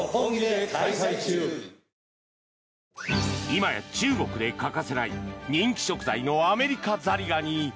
今や中国で欠かせない人気食材のアメリカザリガニ。